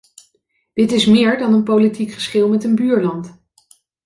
Dit is meer dan een politiek geschil met een buurland.